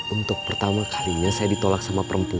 untuk pertama kalinya saya ditolak sama perempuan